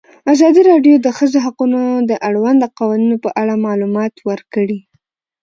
ازادي راډیو د د ښځو حقونه د اړونده قوانینو په اړه معلومات ورکړي.